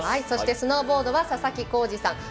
そして、スノーボードは佐々木耕司さん。